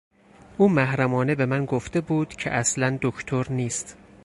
او محرمانه به من گفته بود که اصلا دکتر نیست.